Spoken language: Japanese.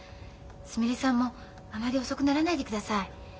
すみれさんもあまり遅くならないでください。